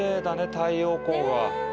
太陽光が。